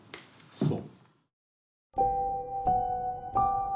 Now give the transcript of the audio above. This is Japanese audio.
そう。